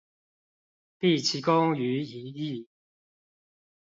畢其功於一役